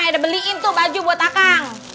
ketep eda mah beliin tuh baju buat akang